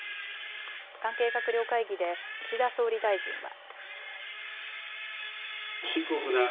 関係閣僚会議で岸田総理大臣は。